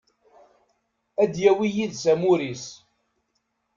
Ad yawi yid-s amur-is.